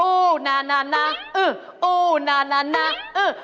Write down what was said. ๑๒๓อูนะนะนะอึอูนะนะนะอึ